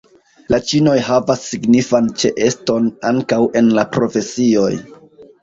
La ĉinoj havas signifan ĉeeston ankaŭ en la profesioj.